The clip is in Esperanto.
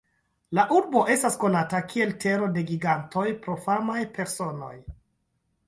La urbo estas konata kiel "Tero de Gigantoj" pro famaj personoj.